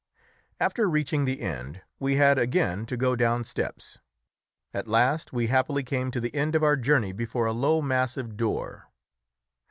After reaching the end we had again to go down steps; at last we happily came to the end of our journey before a low massive door.